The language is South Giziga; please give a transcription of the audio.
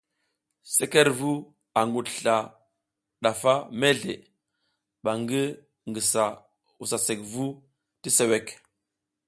Sekerevu a ngudusla ndafa mezle, ɓa ngi ngisa wusa sekvu ti suwek.